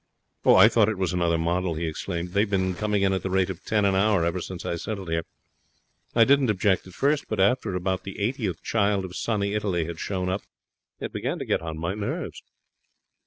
'I thought it was another model,' he explained. 'They've been coming in at the rate of ten an hour ever since I settled here. I didn't object at first, but after about the eightieth child of sunny Italy had shown up it began to get on my nerves.'